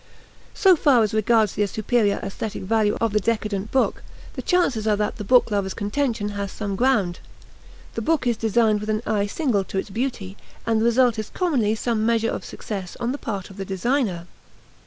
So far as regards the superior aesthetic value of the decadent book, the chances are that the book lover's contention has some ground. The book is designed with an eye single to its beauty, and the result is commonly some measure of success on the part of the designer.